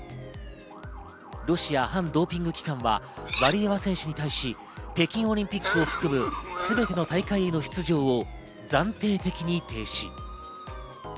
ロシア反ドーピング機関はワリエワ選手に対し、北京オリンピックを含むすべての大会への出場を暫定的に停止。